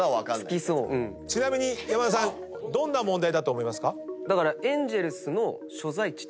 ちなみに山田さんどんな問題だと思いますか？